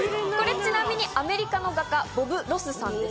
ちなみにアメリカの画家、ボブ・ロスさんです。